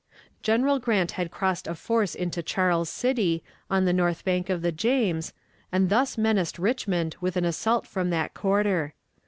General Grant had crossed a force into Charles City, on the north bank of the James, and thus menaced Richmond with an assault from that quarter.